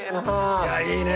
いやいいね。